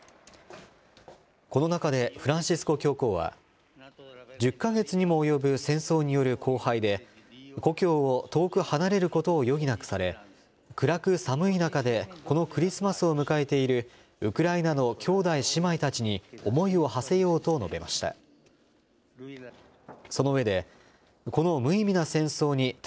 この中で、フランシスコ教皇は、１０か月にも及ぶ戦争による荒廃で、故郷を遠く離れることを余儀なくされ、暗く寒い中でこのクリスマスを迎えているウクライナの兄弟姉妹たちに思いをはせようと述べました。